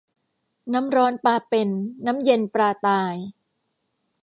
น้ำร้อนปลาเป็น น้ำเย็นปลาตาย